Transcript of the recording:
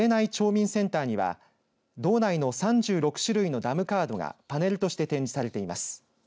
民センターには道内の３６種類のダムカードがパネルとして展示されています。